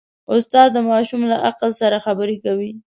استاد د ماشوم له عقل سره خبرې کوي.